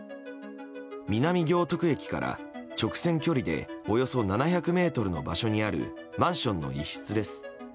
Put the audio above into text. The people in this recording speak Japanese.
南行徳駅から直線距離でおよそ７００ｍの場所にあるマンションの一室です。